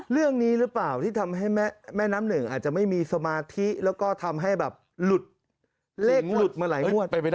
เรื่องนี้รึเปล่าที่ทำให้แม่น้ำหนึ่งไม่มีสมที่หรือหลุดเมื่อหลายขวด